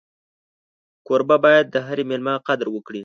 کوربه باید د هر مېلمه قدر وکړي.